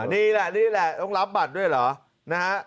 นี่แหละนี่แหละต้องรับบัตรด้วยเหรอนะฮะ